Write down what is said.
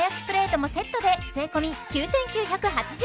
プレートもセットで税込９９８０円